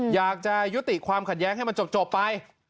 อยากจะยุติความขัดแย้งให้มันจบไป